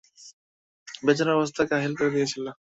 বেচারার অবস্থা কাহিল করে দিয়েছিলে।